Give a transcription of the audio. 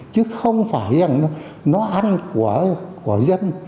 chứ không phải rằng nó ăn của dân